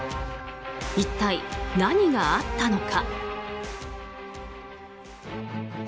一体何があったのか。